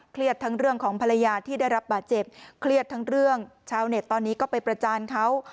ทั้งเรื่องของภรรยาที่ได้รับบาดเจ็บเครียดทั้งเรื่องชาวเน็ตตอนนี้ก็ไปประจานเขา